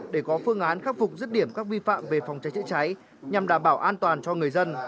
để có phương án khắc phục rứt điểm các vi phạm về phòng cháy chữa cháy nhằm đảm bảo an toàn cho người dân